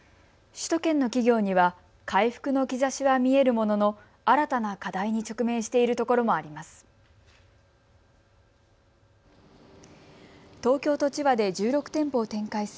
首都圏の企業には回復の兆しは見えるものの新たな課題に直面しているところもあります。